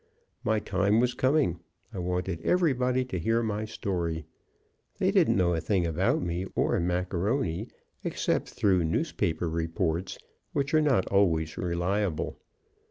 MY time was coming; I wanted everybody to hear my story. They didn't know a thing about me or Mac A'Rony, except through newspaper reports, which are not always reliable.